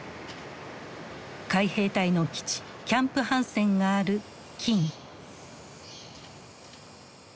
海兵隊の基地キャンプ・ハンセンがある金武。